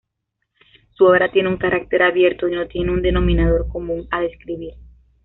Su obra tiene un carácter abierto y no tiene un denominador común a describir.